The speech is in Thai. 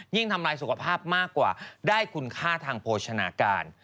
ทำลายสุขภาพมากกว่าได้คุณค่าทางโภชนาการ